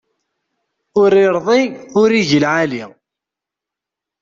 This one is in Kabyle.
Ur iṛḍi ur igi lɛali.